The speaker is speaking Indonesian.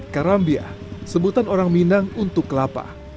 karambia sebutan orang minang untuk kelapa